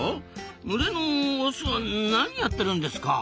群れのオスは何やってるんですか？